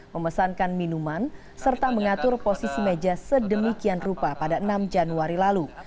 memesankan minuman serta mengatur posisi meja sedemikian rupa pada enam januari lalu